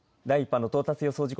第１波の到達予想